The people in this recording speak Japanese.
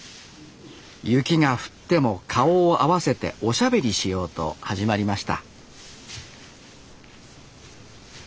雪が降っても顔を合わせておしゃべりしようと始まりました